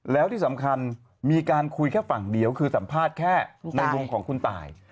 แล้วที่สำคัญมีการคุยแค่ฝั่งเดียวคือสัมภาษณ์แค่ในมุมของคุณตาย